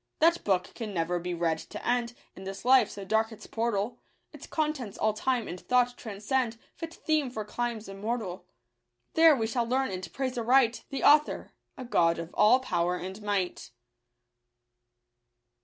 That book can never be read to end In this life, so dark its portal ; Its contents all time and thought transcend — Fit theme for climes immortal : There we shall leftrn and praise aright The Author — a God of all power and might.